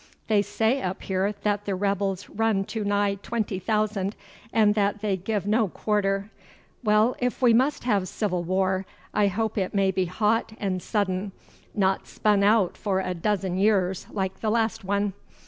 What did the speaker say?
They say up here that the rebels run to nigh twenty thousand, and that they give no quarter. Well, if we must have civil war, I hope it may be hot and sudden, not spun out for a dozen years like the last one.